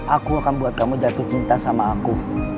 aku akan buat kamu jatuh cinta sama aku